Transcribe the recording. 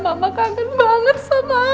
mama kangen banget sama